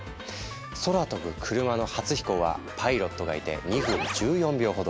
空飛ぶ車の初飛行はパイロットがいて２分１４秒ほど。